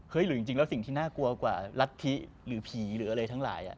เห้ยหรือจริงแล้วสิ่งที่น่ากลัวกว่ารักมีผีหรืออะไรของเขาทั้งหลาย